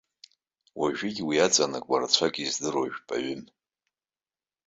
Уажәыгь уи иаҵанакуа рацәак издыруа жәпаҩым.